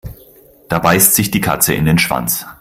Da beißt sich die Katze in den Schwanz.